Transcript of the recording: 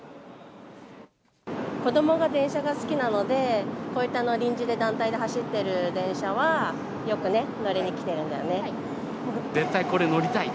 子どもが電車が好きなので、こういった臨時で団体で走ってる電車は、よくね、はい。